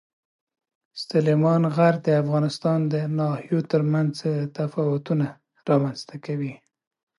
سلیمان غر د افغانستان د ناحیو ترمنځ تفاوتونه رامنځ ته کوي.